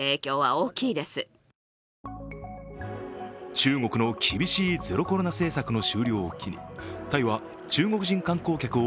中国の厳しいゼロコロナ政策の終了を機にタイは中国人観光客を